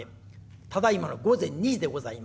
ただいまの午前２時でございます。